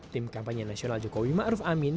tim kampanye nasional jokowi maruf amin